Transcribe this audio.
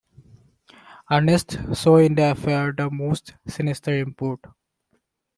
Ernest saw in the affair the most sinister import.